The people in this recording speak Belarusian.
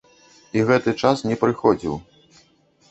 І гэты час не прыходзіў.